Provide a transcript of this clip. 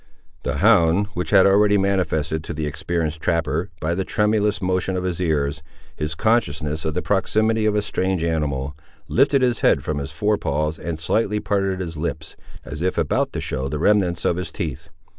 The hound, which had already manifested to the experienced trapper, by the tremulous motion of his ears, his consciousness of the proximity of a strange animal, lifted his head from his fore paws and slightly parted his lips, as if about to show the remnants of his teeth.